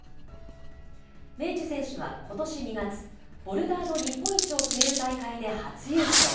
明智選手はことし２月、ボルダーの日本一を決める大会で初優勝。